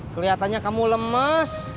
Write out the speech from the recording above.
keliatannya kamu lemes